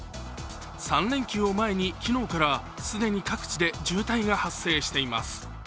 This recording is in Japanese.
３連休を前に、昨日から既に各地で渋滞が発生しています。